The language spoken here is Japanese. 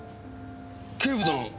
警部殿。